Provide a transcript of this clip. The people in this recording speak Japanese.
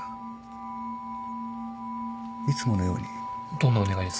どんなお願いです？